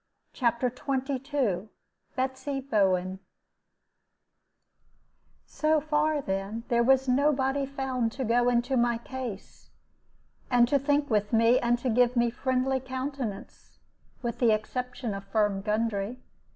CHAPTER XXII BETSY BOWEN So far, then, there was nobody found to go into my case, and to think with me, and to give me friendly countenance, with the exception of Firm Gundry.